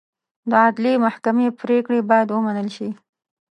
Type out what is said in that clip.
د عدلي محکمې پرېکړې باید ومنل شي.